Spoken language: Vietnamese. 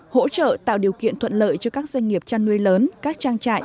hỗ trợ tạo điều kiện thuận lợi cho các doanh nghiệp chăn nuôi lớn các trang trại